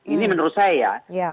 ini menurut saya